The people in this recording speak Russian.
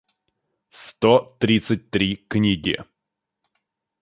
сто тридцать три книги